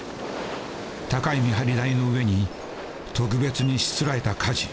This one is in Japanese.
高い見張り台の上に特別にしつらえたかじ。